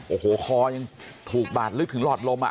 โอ้โหคอยังถูกบาดลึกถึงหลอดลม